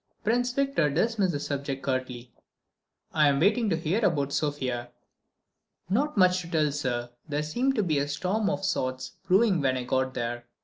Prince Victor dismissed the subject curtly. "I am waiting to hear about Sofia." "Not much to tell, sir. There seemed to be a storm of sorts brewing when I got there.